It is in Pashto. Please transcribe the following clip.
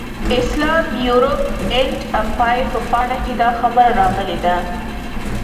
اسلام، یورپ اینډ امپایر په پاڼه کې دا خبره راغلې ده.